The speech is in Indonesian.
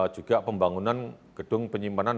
juga pembangunan gedung penyimpanan